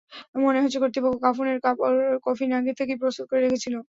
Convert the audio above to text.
মনে হচ্ছে, কর্তৃপক্ষ কাফনের কাপড়, কফিন আগে থেকেই প্রস্তুত করে রেখেছিল।